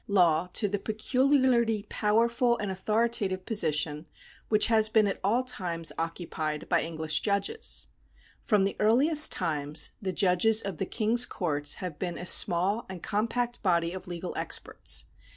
159 1 CO PRECEDENT [§ 61 law to the peculiarly powerful and authoritative position which has been at all times occupied by English judges. From the earliest times the judges of the king's courts have been a small and compact body of legal experts.